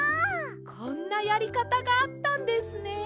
こんなやりかたがあったんですね！